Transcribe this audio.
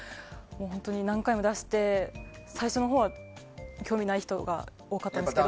何回も出して最初のほうは、興味ない人が多かったですけど。